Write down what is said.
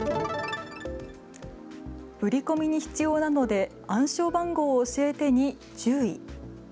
振り込みに必要なので暗証番号を教えてに注意。